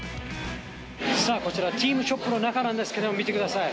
さあ、こちら、チームショップの中なんですけど、見てください。